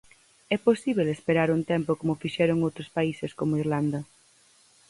É posíbel esperar un tempo como fixeron outros países como Irlanda.